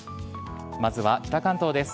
まずは北関東です。